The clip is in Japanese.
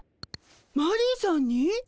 マリーさんに？